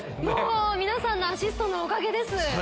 皆さんのアシストのおかげです。